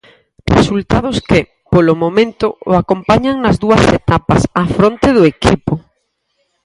Resultados que, polo momento, o acompañan nas dúas etapas á fronte do equipo.